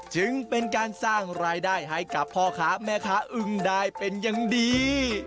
จึงเป็นการสร้างรายได้ให้กับพ่อค้าแม่ค้าอึ้งได้เป็นอย่างดี